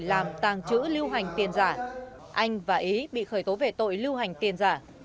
làm tàng trữ lưu hành tiền giả anh và ý bị khởi tố về tội lưu hành tiền giả